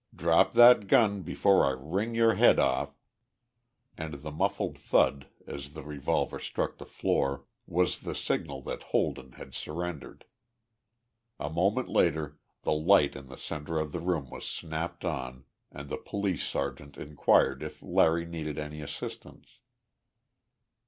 "Drop that gun before I wring your head off!" and the muffled thud as the revolver struck the floor was the signal that Holden had surrendered. A moment later the light in the center of the room was snapped on and the police sergeant inquired if Larry needed any assistance.